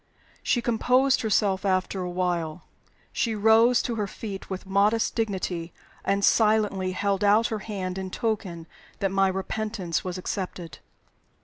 She composed herself after a while. She rose to her feet with modest dignity, and silently held out her hand in token that my repentance was accepted.